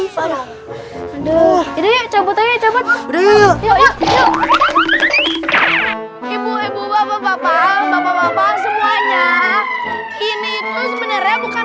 klo aduh coba coba ibu ibu bapak bapak bapak bapak semuanya ini itu sebenarnya bukan